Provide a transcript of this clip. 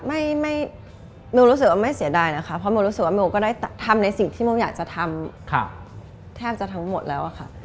ไม่โมรู้สึกว่าไม่เสียดายนะคะเพราะโมรู้สึกว่าโมก็ได้ทำในสิ่งที่โมอยากจะทำแทบจะทั้งหมดแล้วอะค่ะ